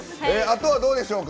あとは、どうでしょう。